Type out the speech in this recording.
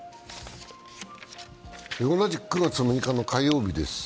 同じく９月６日の火曜日です。